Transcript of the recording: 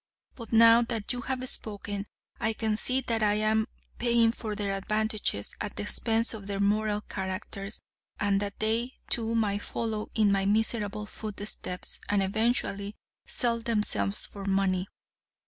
But now that you have spoken, I can see that I am paying for their advantages at the expense of their moral characters, and that they too might follow in my miserable footsteps and, eventually sell themselves for money.